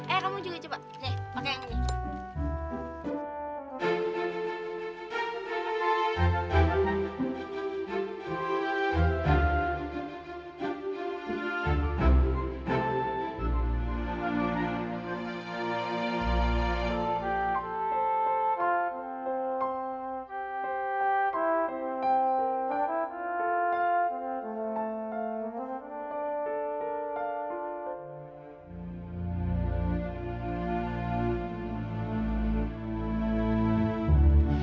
eh kamu juga coba pakai yang ini